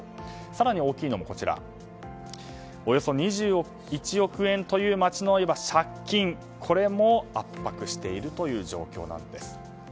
更に大きいのがおよそ２１億円という町の借金、これも圧迫しているという状況なんです。